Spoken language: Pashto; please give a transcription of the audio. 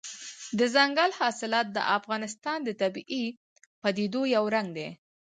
دځنګل حاصلات د افغانستان د طبیعي پدیدو یو رنګ دی.